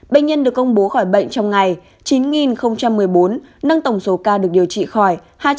bệnh nhân được công bố khỏi bệnh trong ngày chín một mươi bốn nâng tổng số ca được điều trị khỏi hai trăm hai mươi tám tám trăm một mươi sáu